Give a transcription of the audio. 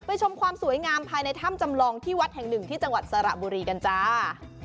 ชมความสวยงามภายในถ้ำจำลองที่วัดแห่งหนึ่งที่จังหวัดสระบุรีกันจ้า